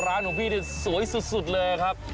ร้านของพี่นี่สวยสุดเลยครับ